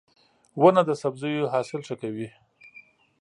• ونه د سبزیو حاصل ښه کوي.